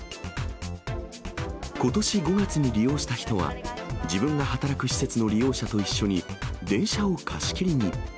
ことし５月に利用した人は、自分が働く施設の利用者と一緒に、電車を貸し切りに。